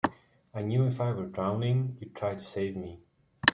I knew if I were drowning you'd try to save me.